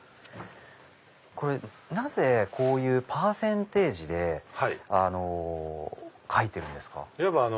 なぜこういうパーセンテージで書いてるんですか？